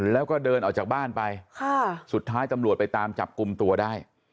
แล้วก็เดินออกจากบ้านไปสุดท้ายตำรวจไปตามจับกลุ่มตัวได้